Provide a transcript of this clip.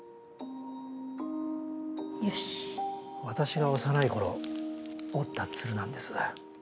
私が幼い頃折った鶴なんです。